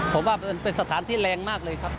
ผมว่าเป็นสถานที่แรงมากเลยครับ